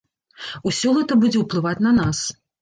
Усё гэта будзе уплываць на нас.